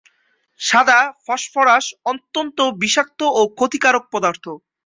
সাদা ফসফরাস অত্যন্ত বিষাক্ত ও ক্ষতিকারক পদার্থ।